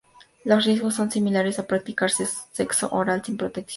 Los riesgos son similares a practicar sexo oral sin protección.